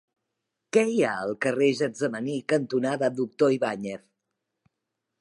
Què hi ha al carrer Getsemaní cantonada Doctor Ibáñez?